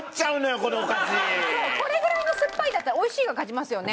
そうこれぐらいのすっぱいだったら美味しいが勝ちますよね。